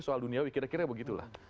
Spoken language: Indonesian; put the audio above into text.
soal duniawi kira kira begitu lah